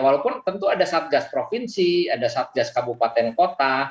walaupun tentu ada satgas provinsi ada satgas kabupaten kota